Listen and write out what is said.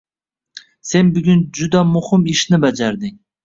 Sen bugun juda muhim ishni bajarding